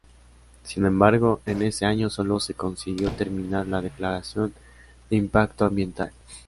Sin embargo, en ese año solo se consiguió terminar la Declaración de Impacto Ambiental.